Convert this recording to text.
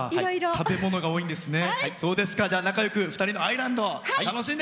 食べ物が多いんですね。